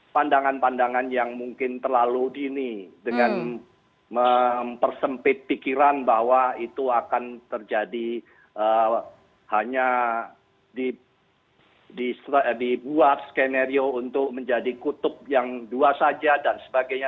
pandangan pandangan yang mungkin terlalu dini dengan mempersempit pikiran bahwa itu akan terjadi hanya dibuat skenario untuk menjadi kutub yang dua saja dan sebagainya